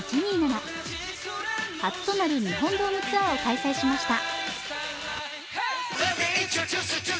初となる日本ドームツアーを開催しました。